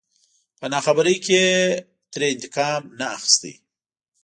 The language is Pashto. په ناخبرۍ کې يې ترې انتقام نه اخست.